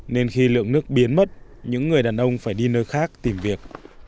nên khi lượng nước biến mất những người đàn ông phải đi nơi khác tìm việc